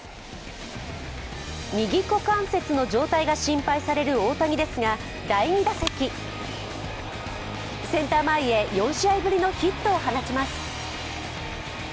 右股関節の状態が心配される大谷ですが、第２打席、センター前へ４試合ぶりのヒットを放ちます。